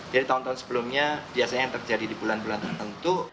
jadi tahun tahun sebelumnya biasanya yang terjadi di bulan bulan tertentu